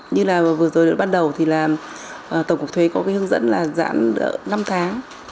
như là vừa rồi bắt đầu thì tổng cục thuế có hướng dẫn là giãn nợ năm tháng